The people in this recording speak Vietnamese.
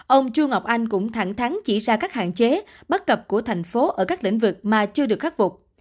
ông chu ngọc anh cũng thẳng thắng chỉ ra các hạn chế bất cập của thành phố ở các lĩnh vực mà chưa được khắc phục